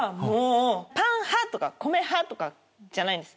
パン派とか米派とかじゃないんです。